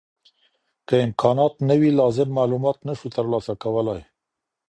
که امکانات نه وي لازم معلومات نه شو ترلاسه کولای.